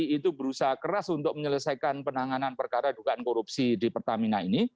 itu berusaha keras untuk menyelesaikan penanganan perkara dugaan korupsi di pertamina ini